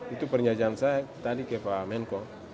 itu pernyajian saya tadi kepada menko